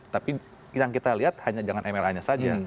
tapi yang kita lihat hanya jangan mla nya saja